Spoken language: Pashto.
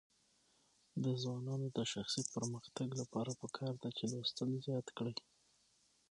د ځوانانو د شخصي پرمختګ لپاره پکار ده چې لوستل زیات کړي.